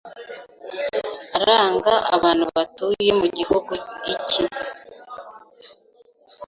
iranga abantu batuye mu gihugu iki